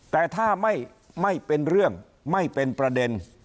แต่ถ้าไม่เป็นเรื่องไม่เป็นประเด็น